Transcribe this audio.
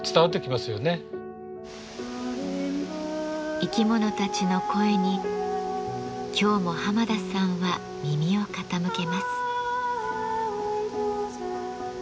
生き物たちの声に今日も浜田さんは耳を傾けます。